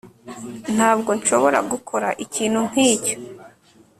ntabwo nshobora gukora ikintu nkicyo